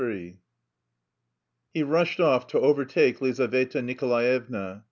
III He rushed off to overtake Lizaveta Nikolaevna.